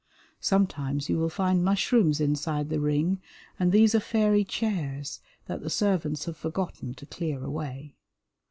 Sometimes you will find mushrooms inside the ring, and these are fairy chairs that the servants have forgotten to clear away.